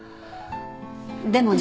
でもね。